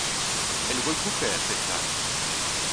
Elle regroupait à cette date.